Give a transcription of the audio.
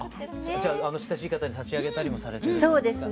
じゃあ親しい方に差し上げたりもされてるんですか？